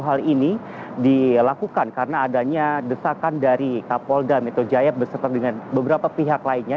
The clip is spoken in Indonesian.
hal ini dilakukan karena adanya desakan dari kapolda metro jaya beserta dengan beberapa pihak lainnya